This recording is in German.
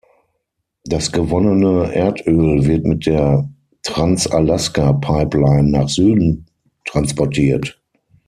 Das gewonnene Erdöl wird mit der Trans-Alaska-Pipeline nach Süden transportiert.